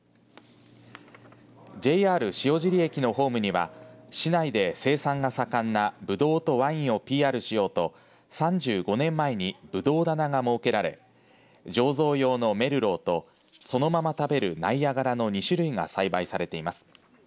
ＪＲ塩尻駅のホームには市内で生産が盛んなブドウとワインをＰＲしようと３５年前にブドウ棚が設けられ醸造用のメルローとそのまま食べるナイアガラの２種類が栽培されています。